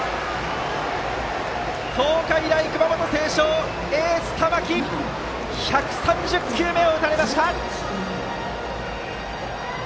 東海大熊本星翔、エースの玉木１３０球目を打たれました。